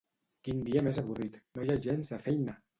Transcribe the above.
Quin dia més avorrit, no hi ha gens de feina!